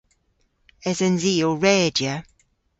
Esens i ow redya?